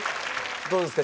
どうですか？